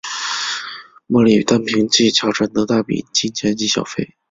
莫莉单凭技巧赚得大笔金钱及小费。